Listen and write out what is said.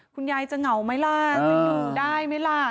คุณยายจะเหงาไหมล่ะจะอยู่ได้ไหมล่ะ